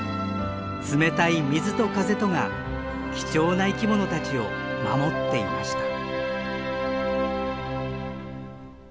冷たい水と風とが貴重な生き物たちを守っていました。